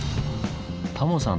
タモさん